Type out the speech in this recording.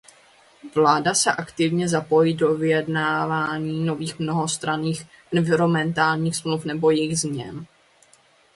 Vláda se aktivně zapojí do vyjednávání nových mnohostranných environmentálních smluv nebo jejich změn.